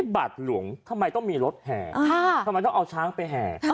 บาทหลวงทำไมต้องมีรถแห่ทำไมต้องเอาช้างไปแห่